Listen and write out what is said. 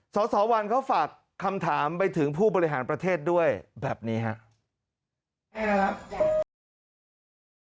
สสวันเขาฝากคำถามไปถึงผู้บริหารประเทศด้วยแบบนี้ครับ